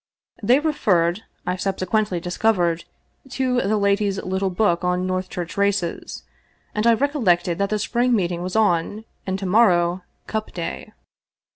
They referred, I subsequently discovered, to the lady's little book on Northchurch races, and I recol lected that the Spring Meeting was on, and to morrow " Cup Day."